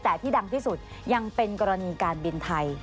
แต่ที่ดังที่สุดยังเป็นกรณีการบินไทย